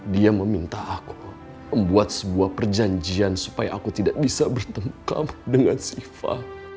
dia meminta aku membuat sebuah perjanjian supaya aku tidak bisa bertemu dengan sifa